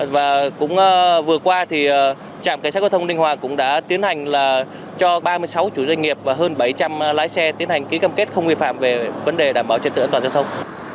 và cũng vừa qua thì trạm cảnh sát giao thông ninh hòa cũng đã tiến hành cho ba mươi sáu chủ doanh nghiệp và hơn bảy trăm linh lái xe tiến hành ký cam kết không vi phạm về vấn đề đảm bảo trật tự an toàn giao thông